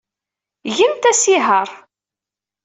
Gemt asihaṛ.